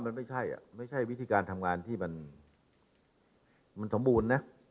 มันไม่ใช่ไม่ใช่วิธีการทำงานที่มันสมบูรณ์นะ